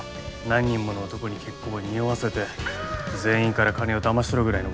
何人もの男に結婚を匂わせて全員から金をだまし取るぐらいのことしないと。